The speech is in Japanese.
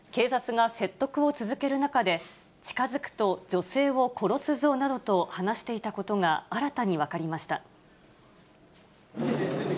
警察が説得を続ける中で、近づくと女性を殺すぞなどと話していたことが新たに分かりました。